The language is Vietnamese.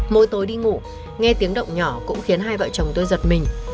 mỗi tối đi ngủ nghe tiếng động nhỏ cũng khiến hai vợ chồng tôi giật mình